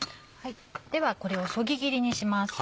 ではこれをそぎ切りにします。